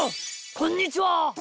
こんにちは！